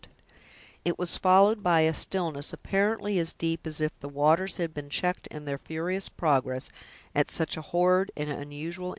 It was followed by a stillness apparently as deep as if the waters had been checked in their furious progress, at such a horrid and unusual interruption.